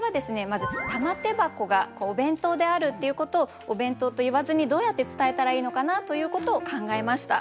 まず「玉手箱」がお弁当であるっていうことを「お弁当」と言わずにどうやって伝えたらいいのかなということを考えました。